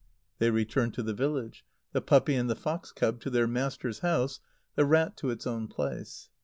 They returned to the village; the puppy and the fox cub to their master's house, the rat to its own place.